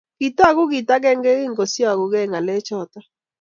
kitooku kiit agenge yekingosiokukei ng'alechoto